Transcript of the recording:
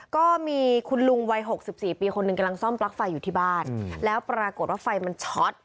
ก็มีคุณลุงวัย๖๔ปีคนหนึ่งกำลังซ่อมปลั๊กไฟอยู่ที่บ้านแล้วปรากฏว่าไฟมันช็อต